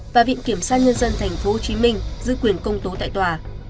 và viện kiểm sát nhân dân tp hcm giữ quyền công tố tại tòa